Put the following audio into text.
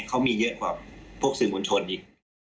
เขามีเยอะกว่าพวกสื่อมวลชนอีก